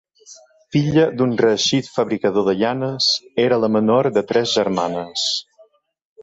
Filla d'un reeixit fabricador de llanes, era la menor de tres germanes.